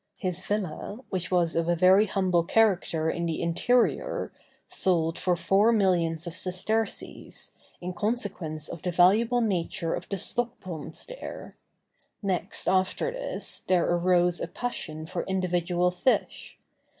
His villa, which was of a very humble character in the interior, sold for four millions of sesterces, in consequence of the valuable nature of the stock ponds there. Next after this, there arose a passion for individual fish.